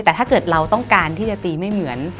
แต่ถ้าเกิดเราต้องการที่จะตีไม่เหมือน